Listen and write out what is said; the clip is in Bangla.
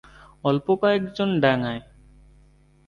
অল্প কয়েকজন ডাঙায়।